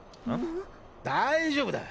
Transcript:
大丈夫だ！